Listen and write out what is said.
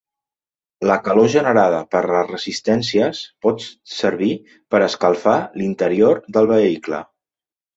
La calor generada per les resistències pot servir per escalfar l'interior del vehicle.